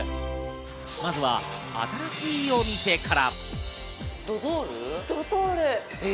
まずは新しいお店から。